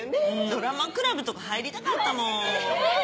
ドラマクラブとか入りたかったもん！